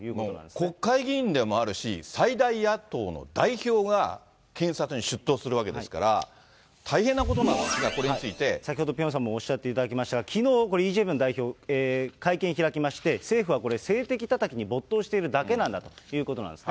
国会議員でもあるし、最大野党の代表が検察に出頭するわけですから、大変なことなんですが、先ほどピョンさんもおっしゃっていただきましたが、きのう、これ、イ・ジェミョン代表、会見開きまして、政府はこれ、政敵たたきに没頭しているだけなんだということなんですね。